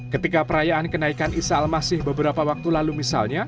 ketika perayaan kenaikan isa al masih beberapa waktu lalu misalnya